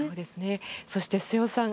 そして、瀬尾さん